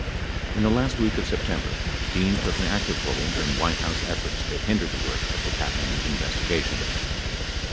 89 In the last week of September, Dean took an active role in White House efforts to hinder the work of the Patman investigation.